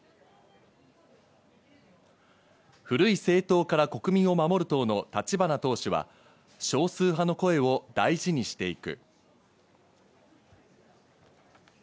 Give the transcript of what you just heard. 古い政党から国民を守る党の立花党首は少数派の声を大事にしていく。